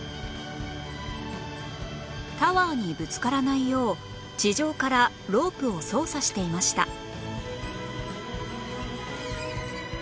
タワーにぶつからないよう地上からロープを操作していました